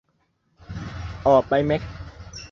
ออกไปแมค